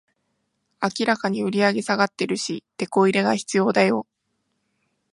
明らかに売上下がってるし、テコ入れが必要だよ